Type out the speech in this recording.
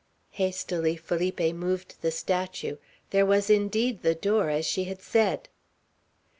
Hastily Felipe moved the statue. There was indeed the door, as she had said.